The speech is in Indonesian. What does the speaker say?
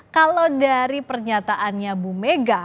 kalau dari pernyataannya bu mega